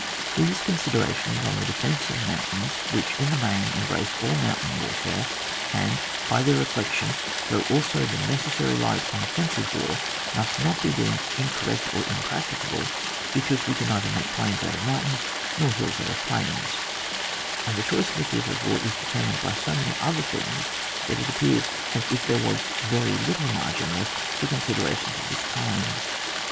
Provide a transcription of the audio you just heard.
These considerations on the defence of moimtains, which, in the main, embrace all mountain warfare, and, by their re flection, throw also the necessary light on offensive war, must not be deemed incorrect or impracticable because we can neither make plains out of mountains, nor hills out of plains, and the choice of a theatre of war is determined by so many other things that it appears as if there was little margin left for considerations of this kind.